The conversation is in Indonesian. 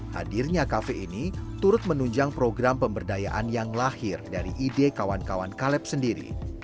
hadirnya kafe ini turut menunjang program pemberdayaan yang lahir dari ide kawan kawan kaleb sendiri